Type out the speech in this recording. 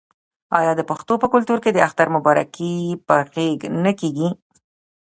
آیا د پښتنو په کلتور کې د اختر مبارکي په غیږ نه کیږي؟